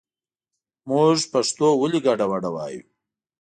مونږ پښتو ولې ګډه وډه وايو